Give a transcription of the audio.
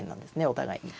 お互いに。